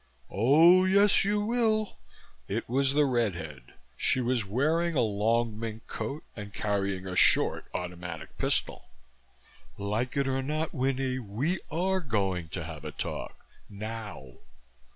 "Oh, yes, you will." It was the red head. She was wearing a long mink coat and carrying a short automatic pistol. "Like it or not, Winnie, we are going to have a talk now."